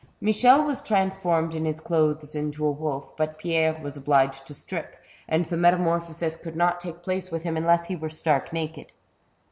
Michel was transformed in his clothes into a wolf, but Pierre was obliged to strip, and the metamorphosis could not take place with him unless he were stark naked.